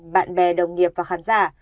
bạn bè đồng nghiệp và khán giả